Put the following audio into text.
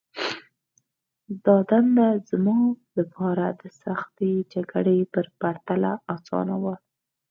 دا دنده زما لپاره د سختې جګړې په پرتله آسانه وه